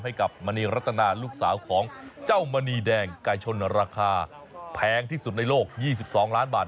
กับมณีรัตนาลูกสาวของเจ้ามณีแดงไก่ชนราคาแพงที่สุดในโลก๒๒ล้านบาท